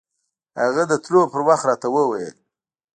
هغه د تلو پر وخت راته وويل.